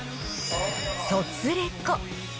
＃ソツレコ。